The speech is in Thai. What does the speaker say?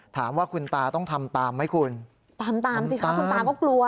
ถามว่าคุณตาต้องทำตามไหมคุณตามตามสิคะคุณตาก็กลัว